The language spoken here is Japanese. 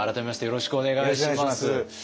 よろしくお願いします。